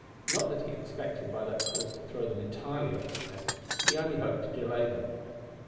Not that he expected by that course to throw them entirely off the scent, he only hoped to delay them.